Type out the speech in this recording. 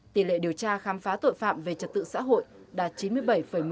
tỷ lệ điều tra khám phá tội phạm về trật tự xã hội đạt chín mươi bảy một mươi tám